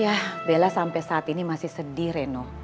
ya bella sampai saat ini masih sedih reno